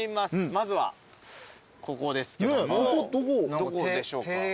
まずはここですけどもどこでしょうか。